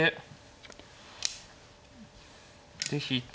で引いて。